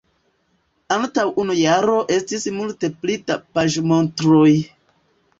antaŭ unu jaro estis multe pli da paĝomontroj.